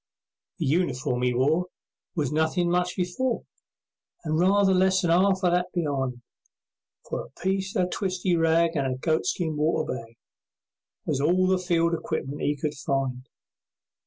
The uniform 'e wore Was nothin' much before, And rather less than 'arf o' that be'ind, For a piece o' twisty rag And a goatskin water bag Was all the field equipment 'e could find.